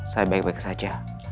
saya baik baik saja